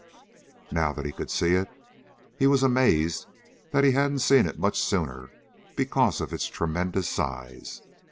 Now that he could see it he was amazed that he hadn't seen it much sooner because of its tremendous size.